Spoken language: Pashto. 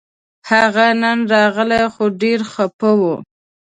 هغه نن راغی خو ډېر خپه و